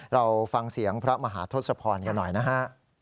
เราฟังเสียงพระมหาทศพรกันหน่อยนะฮะ